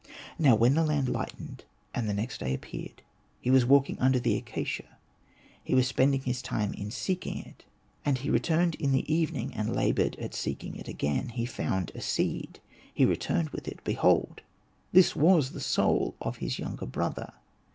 Now when the land hghtened, and the next day appeared, he was walking under the. acacia ; he was spending his time in seeking it. And he returned in the evening, and laboured at seeking it again. He found a seed. He returned with it. Behold this was the soul of his younger brother.